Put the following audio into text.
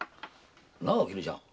なあお絹ちゃん。